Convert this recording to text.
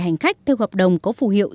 hành khách theo hợp đồng có phù hiệu